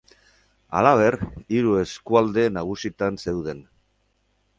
Halaber, hiru eskualde nagusitan zeuden.